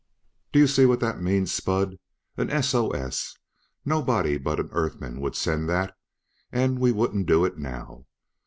"Do you see what that means, Spud? An SOS! Nobody but an Earth man would send that, and we wouldn't do it now.